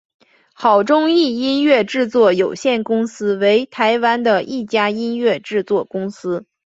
好钟意音乐制作有限公司为台湾的一家音乐制作公司。